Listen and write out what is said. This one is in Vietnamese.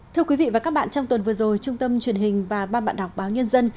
thưa quý vị và các bạn trong tuần vừa rồi trung tâm truyền hình và ban bạn đọc báo nhân dân